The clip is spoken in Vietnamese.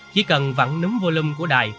chỉ cần vặn núm volume của đài